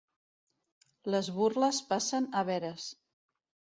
Les burles passen a veres.